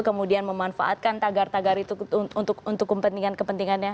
kemudian memanfaatkan tagar tagar itu untuk kepentingan kepentingannya